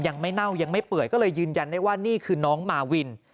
เน่ายังไม่เปื่อยก็เลยยืนยันได้ว่านี่คือน้องมาวิน